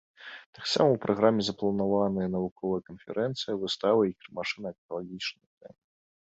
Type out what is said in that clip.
Таксама ў праграме запланаваны навуковая канферэнцыя, выставы і кірмашы на экалагічную тэму.